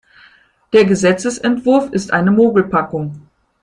Der Gesetzesentwurf ist eine Mogelpackung.